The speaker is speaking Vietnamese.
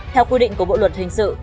theo quy định của bộ luật hình sự